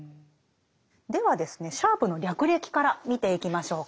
ではですねシャープの略歴から見ていきましょうか。